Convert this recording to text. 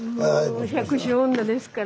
もう百姓女ですから。